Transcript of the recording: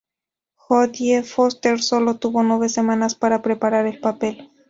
Jodie Foster sólo tuvo nueve semanas para preparar el papel.